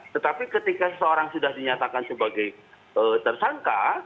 tetapi ketika seseorang sudah dinyatakan sebagai tersangka